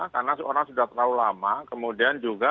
karena orang sudah terlalu lama kemudian juga